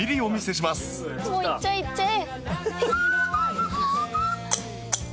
もう行っちゃえ行っちゃえ！